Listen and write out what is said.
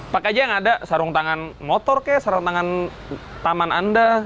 pakai aja yang ada sarung tangan motor ke sarung tangan taman anda